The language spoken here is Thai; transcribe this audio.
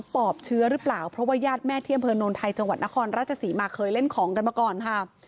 ๓ปลอบเชื้อหรือเปล่าเพราะว่ายาดแม่เที่ยมเผินน่วนไทยนครรัชศรีมาเผยเล่นของมาก่อนค่ะ